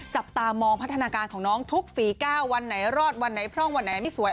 จับตามองพัฒนาการของน้องทุกฝีก้าววันไหนรอดวันไหนพร่องวันไหนไม่สวย